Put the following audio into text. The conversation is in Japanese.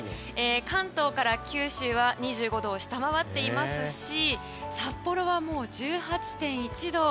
関東から九州は２５度を下回っていますし札幌はもう１８．１度。